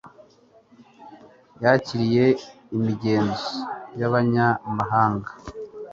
yakiriye imigenzo y'abanyamahanga